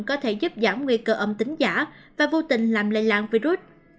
có thể giúp giảm nguy cơ âm tính giả và vô tình làm lây lan virus